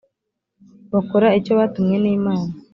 bakora icyo batumwe n’imana